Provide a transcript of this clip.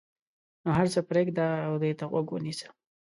نو هر څه پرېږده او دوی ته غوږ ونیسه.